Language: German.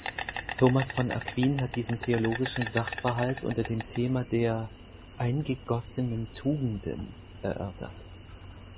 Thomas von Aquin hat diesen theologischen Sachverhalt unter dem Thema der „eingegossenen Tugenden“ erörtert.